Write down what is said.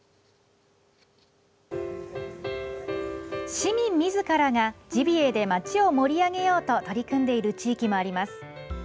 市民みずからがジビエで町を盛り上げようと取り組んでいる地域もあります。